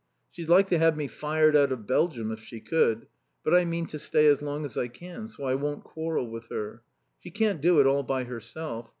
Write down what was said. She'd like to have me fired out of Belgium if she could, but I mean to stay as long as I can, so I won't quarrel with her. She can't do it all by herself.